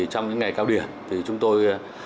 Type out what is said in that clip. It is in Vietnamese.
trong những ngày cao điểm chúng tôi